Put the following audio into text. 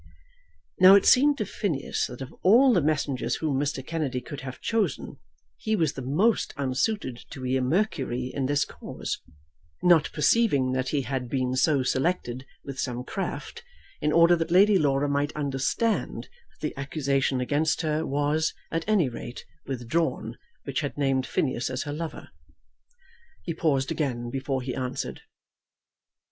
Now it seemed to Phineas that of all the messengers whom Mr. Kennedy could have chosen he was the most unsuited to be a Mercury in this cause, not perceiving that he had been so selected with some craft, in order that Lady Laura might understand that the accusation against her was, at any rate, withdrawn, which had named Phineas as her lover. He paused again before he answered.